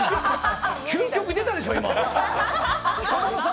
究極出たでしょう、今。